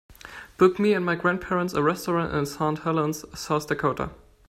book me and my grandparents a restaurant in Saint Helens South Dakota